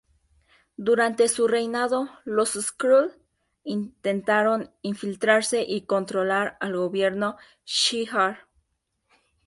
Durante su reinado, los Skrull intentaron infiltrarse y controlar al gobierno Shi'Ar.